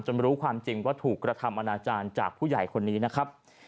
รู้ความจริงว่าถูกกระทำอนาจารย์จากผู้ใหญ่คนนี้นะครับ